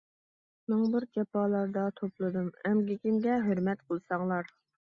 مىڭبىر جاپالاردا توپلىدىم، ئەمگىكىمگە ھۆرمەت قىلساڭلار.